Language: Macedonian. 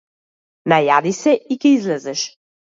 Најади се и ќе излезеш.